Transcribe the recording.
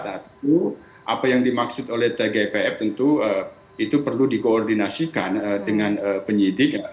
satu apa yang dimaksud oleh tgpf tentu itu perlu dikoordinasikan dengan penyidik